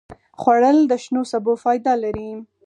خوړل د شنو سبو فایده لري